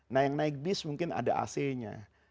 nah yang naik bis mungkin ada ac nya